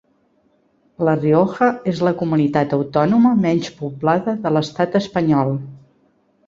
La Rioja és la comunitat autònoma menys poblada de l'Estat espanyol.